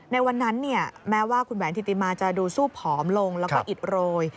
ในวันนั้นแม้ว่าคุณแหวนธิติมาจะดูสู้ผอมลงแล้วก็อิดโรย